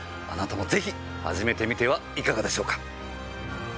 あなたもぜひ始めてみてはいかがでしょうか。